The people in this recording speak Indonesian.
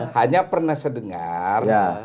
hanya pernah saya dengar